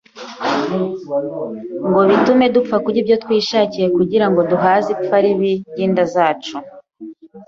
ngo bitume dupfa kurya ibyo twishakiye kugira ngo duhaze ipfa ribi ry’inda zacu.